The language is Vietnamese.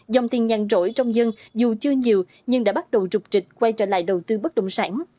dòng tiền nhằn rỗi trong dân dù chưa nhiều nhưng đã bắt đầu rụt rịch quay trở lại đầu tư bất động sản